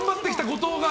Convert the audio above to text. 後藤が。